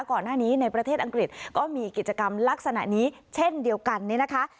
ก่อนหน้านี้ในประเทศอังกฤษก็มีกิจกรรมลักษณะนี้เช่นเดียวกันเนี่ยนะคะ